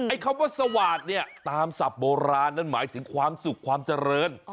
คำว่าสวาสตร์เนี่ยตามศัพท์โบราณนั้นหมายถึงความสุขความเจริญ